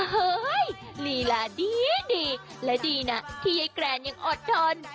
เฮ้ยลีลาดีและดีนะที่ไอ้แกรนยังอดทน